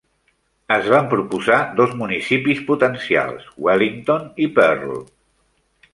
Es van proposar dos municipis potencials: Wellington i Pearl.